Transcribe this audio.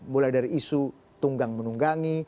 mulai dari isu tunggang menunggangi